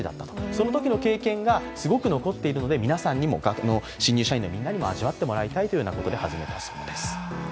そのときの経験がすごく残っているので、新入社員のみんなに味わってもらいたいということで始めたそうです。